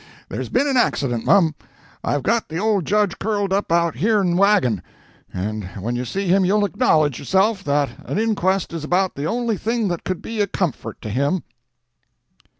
There's been an accident, mum. I've got the old Judge curled up out here n the wagon—and when you see him you'll acknowledge, yourself, that an inquest is about the only thing that could be a comfort to him!"